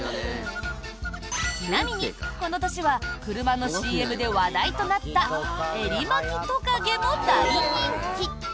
ちなみに、この年は車のＣＭで話題となったエリマキトカゲも大人気。